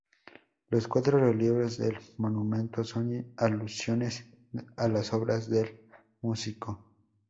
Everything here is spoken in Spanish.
Los cuatro relieves del monumento son alusiones a las obras del músico.